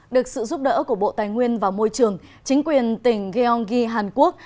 được sự giúp đỡ của bộ tài nguyên và môi trường chính quyền tỉnh gyeonggi hàn quốc